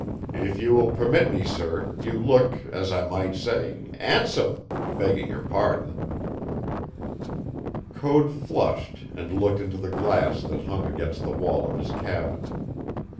If you will permit me, sir, you look, as I might say, 'andsome, begging your pardon." Code flushed and looked into the glass that hung against the wall of his cabin.